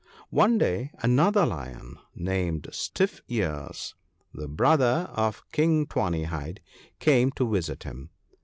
" One day another Lion, named * Stiff ears,' the brother of King Tawny hide, came to visit him.